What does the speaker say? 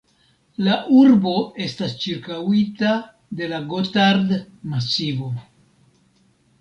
La urbo estas ĉirkaŭita de la Gotard-Masivo.